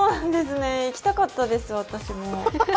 行きたかったです、私も。